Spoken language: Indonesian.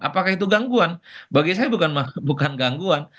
apakah itu gangguan bagi saya bukan gangguan